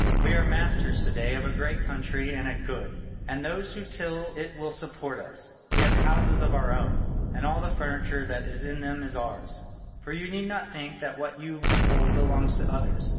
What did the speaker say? We are masters to day of a great country and a good; and those who till it will support us; we have houses of our own, and all the furniture that is in them is ours. For you need not think that what you hold belongs to others.